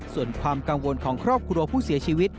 ส่วนความกังวลของครอบครัวผู้เสียชีวิต